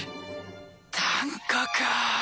短歌か！